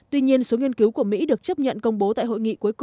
tuy nhiên số nghiên cứu của mỹ được chấp nhận công bố tại hội nghị trí tuệ nhân tạo